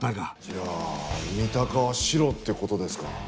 じゃあ三鷹はシロって事ですか。